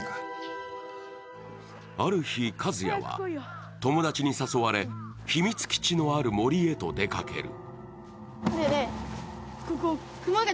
ある日、一也は友達に誘われ秘密基地のある森へと出かける。